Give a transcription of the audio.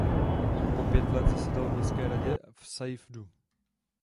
Po pět let zasedal v městské radě v Safedu.